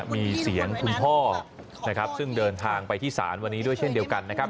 มีเสียงคุณพ่อนะครับซึ่งเดินทางไปที่ศาลวันนี้ด้วยเช่นเดียวกันนะครับ